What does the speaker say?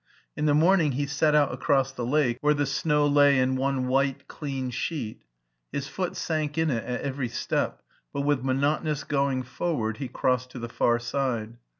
In the morning he set out across the lake, where the snow lay in one white clean sheet His foot sank in it at every step, but with monotonous going forward he crossed to the far side.